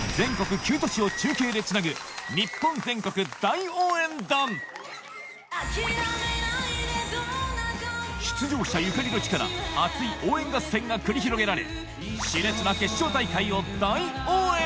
あきらめないでどんな時も出場者ゆかりの地から熱い応援合戦が繰り広げられ熾烈な決勝大会を大応援